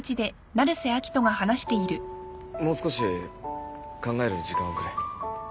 もう少し考える時間をくれ。